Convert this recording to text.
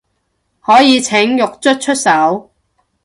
可以請獄卒出手